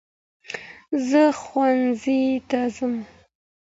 زه ښوونځی ته ځم.